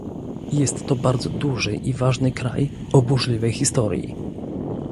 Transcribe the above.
Jest to bardzo duży i ważny kraj o burzliwej historii